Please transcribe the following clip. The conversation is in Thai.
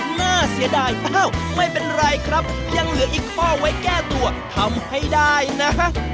น่าเสียดายอ้าวไม่เป็นไรครับยังเหลืออีกข้อไว้แก้ตัวทำให้ได้นะ